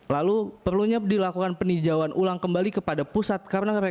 lalu perlunya dilakukan peninjauan ulang kembali kepada pusat